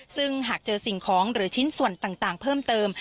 ซึ่งหากเจอสิ่งของหรือชิ้นส่วนต่างเพิ่มเติม